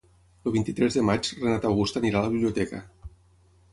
El vint-i-tres de maig en Renat August anirà a la biblioteca.